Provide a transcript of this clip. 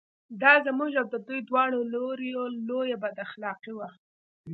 دا زموږ او د دوی دواړو لوریو لویه بد اخلاقي وه.